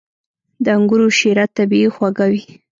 • د انګورو شیره طبیعي خوږه وي.